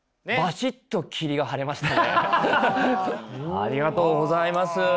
ありがとうございます。